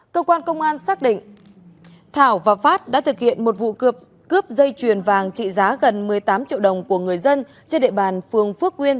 cơ quan công an xác định thảo và phát đã thực hiện một vụ cướp dây chuyền vàng trị giá gần một mươi tám triệu đồng của người dân trên địa bàn phường phước nguyên